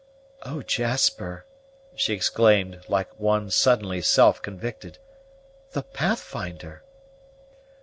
"Oh, Jasper," she exclaimed, like one suddenly self convicted, "the Pathfinder!"